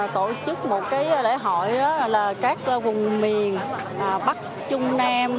tổ chức một lễ hội là các vùng miền bắc trung nam